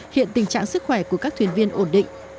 hiện tình trạng sức khỏe của các thuyền viên ổn định